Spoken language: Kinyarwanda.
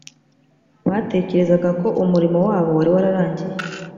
batekerezaga ko umurimo wabo wari wararangiye